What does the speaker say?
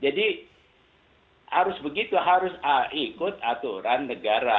jadi harus begitu harus ikut aturan negara